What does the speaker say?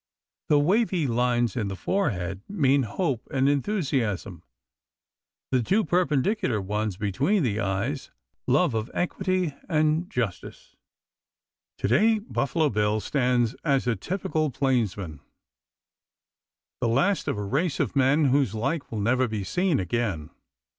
The wavy lines in the forehead mean hope and enthusiasm; the two perpendicular ones between the eyes, love of equity and justice." To day Buffalo Bill stands as a typical plainsman, the last of a race of men whose like will never be seen again.